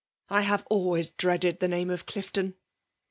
I have always dreaded the name of CHfton.